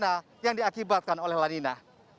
ini adalah rencana yang diakibatkan oleh lanina